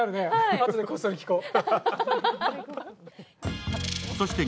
あとでこっそり聞こう。